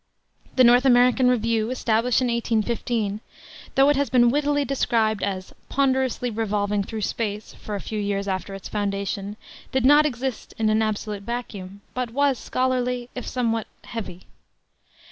The North American Review, established in 1815, though it has been wittily described as "ponderously revolving through space" for a few years after its foundation, did not exist in an absolute vacuum, but was scholarly, if somewhat heavy.